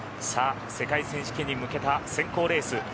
さあ世界選手権に向けた選考レース